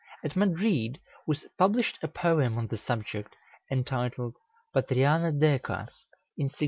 At Madrid was published a poem on the subject, entitled "Patriana decas," in 1629.